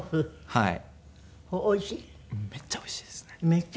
はい。